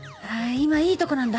今いいとこなんだ。